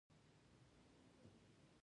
که چا غوښتل چې بيمه و نه اخلي او رخصت شم.